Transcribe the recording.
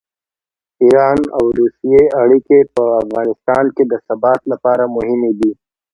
د ایران او روسیې اړیکې په افغانستان کې د ثبات لپاره مهمې دي.